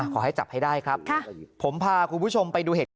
ขอให้จับให้ได้ครับผมพาคุณผู้ชมไปดูเหตุการณ์